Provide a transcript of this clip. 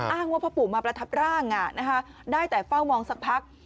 อ้างว่าพ่อปู่มาประทับร่างได้แต่เฝ้ามองสักพัก